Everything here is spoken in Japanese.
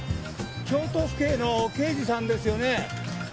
京都府警の刑事さんですよね？